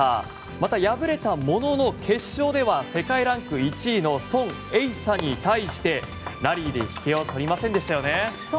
また敗れたものの決勝では世界ランク１位のソン・エイサに対してラリーする必要ありませんでしたよね。